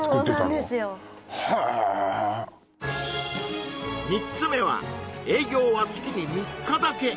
そうなんですよへえ３つ目は営業は月に３日だけ！